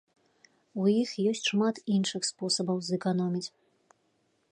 У іх ёсць шмат іншых спосабаў зэканоміць.